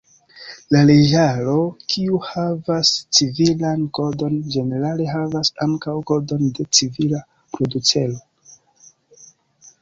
Leĝaro kiu havas civilan kodon ĝenerale havas ankaŭ kodon de civila proceduro.